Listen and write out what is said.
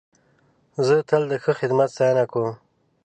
زه تل د ښه خدمت ستاینه کوم.